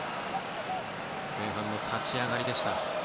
前半の立ち上がりでした。